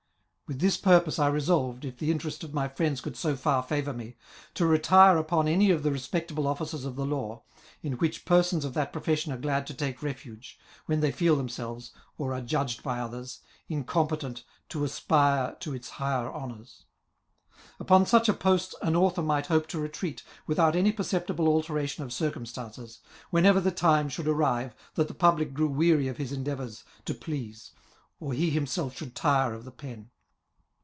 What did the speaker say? With this purpose I resolved, if the interest of my friends could so far favour me, to retire upon any of the respectable offices of the law, in which persons of that profession are glad to take re^ge, when they feel themselves, or are judged by others, incompe tent to aspire to its higher honours. Upon such a post an author might hope to retreat, without any perceptible alteration of circumstances, whenever the time should arrive that the public grew weary of his endeavours tc please, or he himself should tire of the pen.